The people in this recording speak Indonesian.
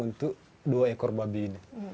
untuk dua ekor babi ini